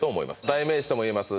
代名詞ともいえます